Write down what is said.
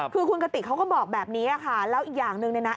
คือคุณกติกเขาก็บอกแบบนี้ค่ะแล้วอีกอย่างหนึ่งเนี่ยนะ